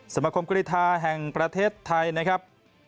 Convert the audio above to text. สมคมกรีธาแห่งประเทศไทยนะครับ